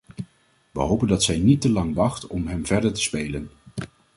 We hopen dat zij niet te lang wacht om hem verder te spelen.